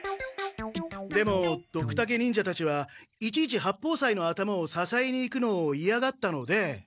でもドクタケ忍者たちはいちいち八方斎の頭をささえにいくのをいやがったので。